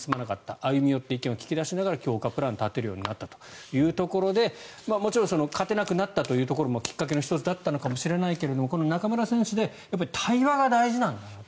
歩み寄って意見を聞き出しながら強化プランを立てるようになったというところで勝てなくなったというところもきっかけの１つだったのかもしれないけれどこの中村選手で対話が大事なんだと。